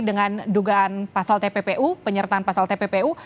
dengan dugaan pasal tppu penyertaan pasal tppu